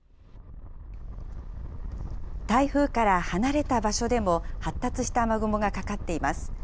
台風から離れた場所でも、発達した雨雲がかかっています。